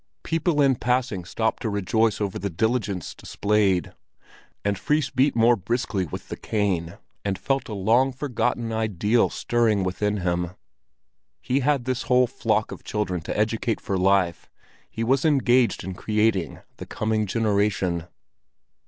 People in passing stopped to rejoice over the diligence displayed, and Fris beat more briskly with the cane, and felt a long forgotten ideal stirring within him; he had this whole flock of children to educate for life, he was engaged in creating the coming generation.